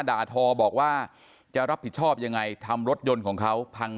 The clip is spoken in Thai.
ด่าทอบอกว่าจะรับผิดชอบยังไงทำรถยนต์ของเขาพัง